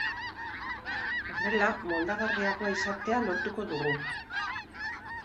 Horrela, moldagarriagoa izatea lortuko dugu.